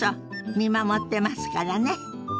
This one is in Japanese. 見守ってますからね。